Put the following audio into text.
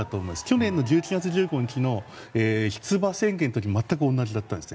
去年１１月１５日の出馬宣言の時と全く同じだったんです。